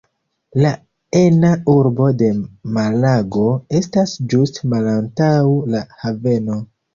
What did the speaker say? La ena urbo de Malago estas ĝuste malantaŭ la haveno.